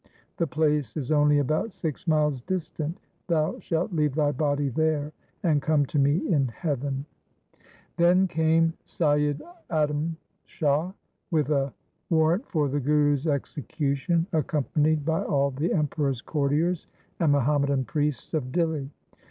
The place is only about six miles distant. Thou shalt leave thy body there, and come to me in heaven.' Then came Saiyid Adam Shah with a warrant for the Guru's execution, accompanied by all the Emperor's courtiers and Muhammadan priests of Dihli.